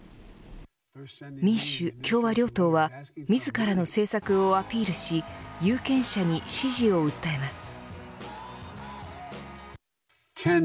民主、共和両党は自らの政策をアピールし有権者に支持を訴えます。